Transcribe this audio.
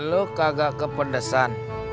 lo kagak kepedesan